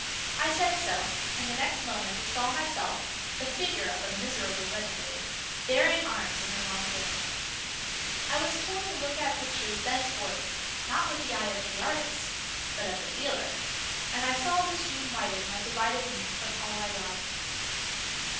I said so; and the next moment saw myself, the figure of a miserable renegade, bearing arms in the wrong camp. I was to look at pictures thenceforward, not with the eye of the artist, but the dealer; and I saw the stream widen that divided me from all I loved.